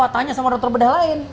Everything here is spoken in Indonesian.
tanya sama dokter bedah lain